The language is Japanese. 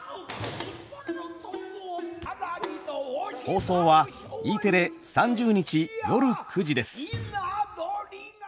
放送はＥテレ３０日夜９時です。